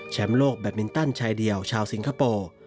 โลกแบตมินตันชายเดียวชาวสิงคโปร์